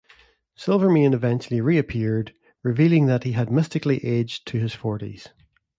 Silvermane eventually reappeared, revealing that he had mystically aged to his forties.